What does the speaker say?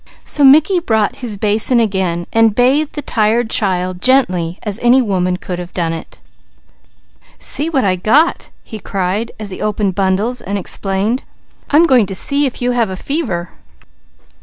So Mickey brought his basin again, bathing the tired child gently as any woman could have done it. "See what I got!" he cried as he opened bundles and explained. "I'm going to see if you have fever."